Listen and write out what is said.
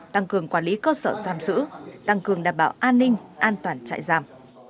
tăng cường quản lý cơ sở giam sử tăng cường đảm bảo an ninh an toàn chạy giam